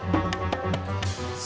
jadi suami jangan diam aja